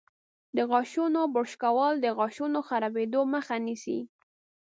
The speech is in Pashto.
د غاښونو برش کول د غاښونو خرابیدو مخه نیسي.